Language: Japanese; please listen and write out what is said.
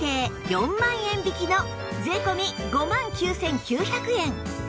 ４万円引きの税込５万９９００円